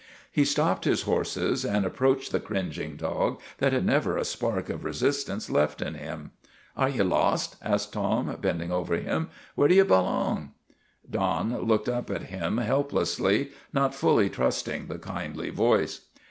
He stopped his horses and approached the cringing dog, that had never a spark of resistance left in him. ' Are ye lost ?: asked Tim, bending over him. " Where do ye belong ?' Don looked up at him helplessly, not fully trusting the kindly voice.